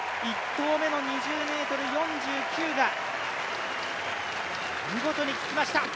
１投目の２０ｍ４９が見事に効きました。